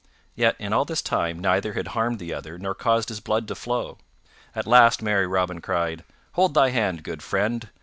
Yet in all this time neither had harmed the other nor caused his blood to flow. At last merry Robin cried, "Hold thy hand, good friend!"